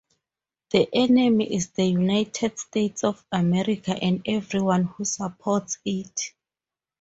The enemy is the United States of America and everyone who supports it.